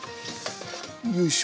よいしょ。